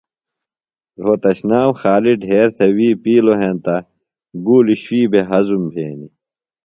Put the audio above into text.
رھوتشنام خالیۡ ڈھیر تھےۡ وی پِیلوۡ ہینتہ گُولیۡ شُوئی بھےۡ ہضُم بھینیۡ۔